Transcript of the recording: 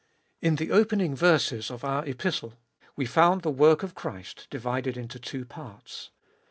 In the opening verses of our Epistle we found the work of Christ divided into two parts.